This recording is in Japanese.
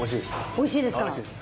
おいしいですか。